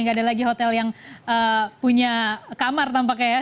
nggak ada lagi hotel yang punya kamar tampaknya ya